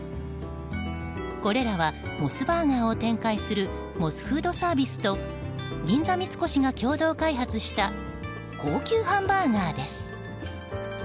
これらはモスバーガーが展開するモスフードサービスと銀座三越が共同開発した高級ハンバーガーです。